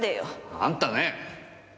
あんたねえ！